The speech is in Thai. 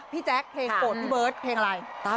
แจ๊คเพลงโปรดพี่เบิร์ตเพลงอะไร